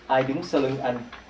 ai đứng sau lưng anh